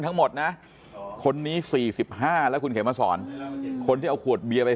ทั้งหมดนะคนนี้๔๕แล้วคุณเขียนมาสอนคนที่เอาขวดเบียร์ไป